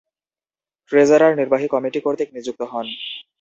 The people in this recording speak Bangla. ট্রেজারার নির্বাহী কমিটি কর্তৃক নিযুক্ত হন।